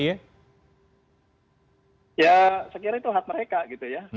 ya saya kira itu hak mereka gitu ya